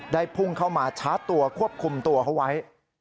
ได้พุ่งเข้ามาช้าตัวควบคุมตัวเขาไว้